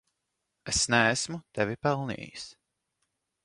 Es neesmu tevi pelnījis.